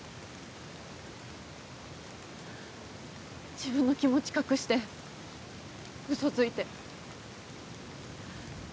自分の気持ち隠して、うそついて。